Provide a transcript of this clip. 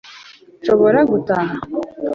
nshobora gutaha